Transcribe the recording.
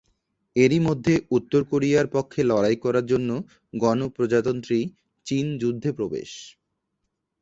এর-ই মধ্যে উত্তর কোরিয়ার পক্ষে লড়াই করার জন্য গণপ্রজাতন্ত্রী চীন যুদ্ধে প্রবেশ।